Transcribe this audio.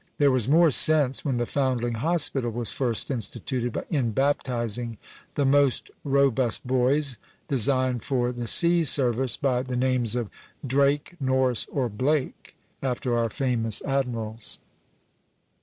There was more sense, when the Foundling Hospital was first instituted, in baptizing the most robust boys, designed for the sea service, by the names of Drake, Norris, or Blake, after our famous admirals.